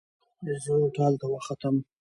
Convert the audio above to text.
زه ټال ته وختم